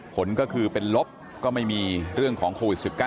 ผลก็คือเป็นลบก็ไม่มีเรื่องของโควิด๑๙